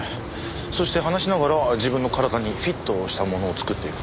そして話しながら自分の体にフィットしたものを作っていく。